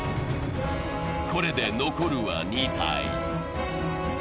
これで残るは２体。